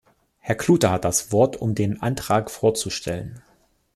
Herr Klute hat das Wort, um den Antrag vorzustellen.